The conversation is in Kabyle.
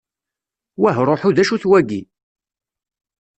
Wahruḥu d-acu-t wagi?